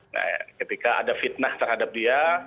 nah ketika ada fitnah terhadap dia